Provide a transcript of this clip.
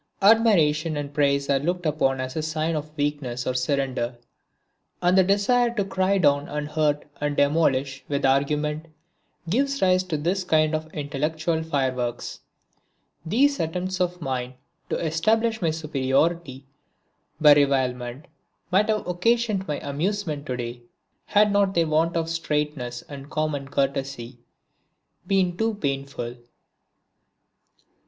Admiration and praise are looked upon as a sign of weakness or surrender, and the desire to cry down and hurt and demolish with argument gives rise to this kind of intellectual fireworks. These attempts of mine to establish my superiority by revilement might have occasioned me amusement to day, had not their want of straightness and common courtesy been too painful.